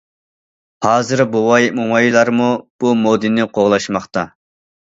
ھازىر بوۋاي مومايلارمۇ بو مودىنى قوغلاشماقتا.